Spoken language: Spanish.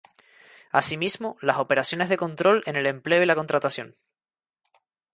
Asimismo, las operaciones de control en el empleo y la contratación.